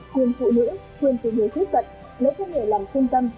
quyền phụ nữ quyền tuyển người khuyết cận lấy các người làm chân tâm